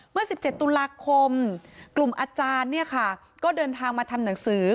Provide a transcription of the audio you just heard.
เมื่อ๑๗ตุลาคมกลุ่มอาจารย์เนี่ยค่ะก็เดินทางมาทำหนังสือ